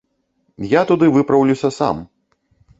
Я туды выпраўляюся сам!